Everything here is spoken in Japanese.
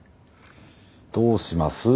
どうします？